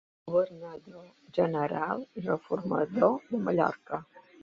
Governador general i reformador de Mallorca.